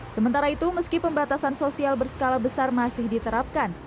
sementara itu meski pembatasan sosial berskala besar masih diterapkan